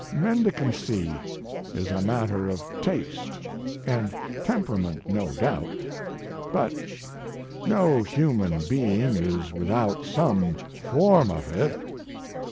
Mendicancy is a matter of taste and temperament, no doubt, but no human being is without some form of it.